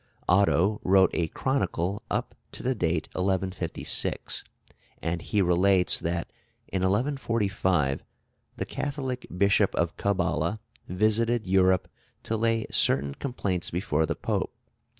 Otto wrote a chronicle up to the date 1156, and he relates that in 1145 the Catholic Bishop of Cabala visited Europe to lay certain complaints before the Pope.